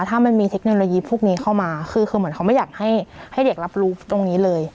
ถ้ามันมีเทคโนโลยีพวกนี้เข้ามาคือเหมือนเขาไม่อยากให้เด็กรับรู้ตรงนี้เลย